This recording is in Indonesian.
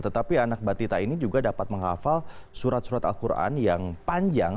tetapi anak batita ini juga dapat menghafal surat surat al quran yang panjang